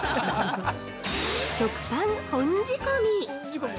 ◆食パン「本仕込」！